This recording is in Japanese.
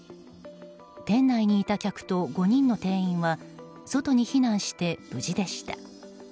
店内にいた客と５人の店員は外に避難して無事でした。